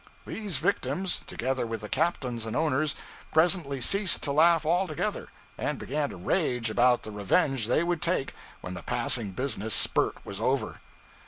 These victims, together with the captains and owners, presently ceased to laugh altogether, and began to rage about the revenge they would take when the passing business 'spurt' was over.